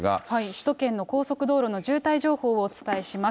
首都圏の高速道路の渋滞情報をお伝えします。